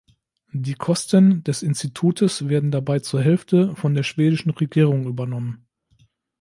Die Kosten des Institutes werden dabei zur Hälfte von der schwedischen Regierung übernommen.